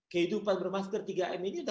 kehidupan bermasker tiga m ini udah kayak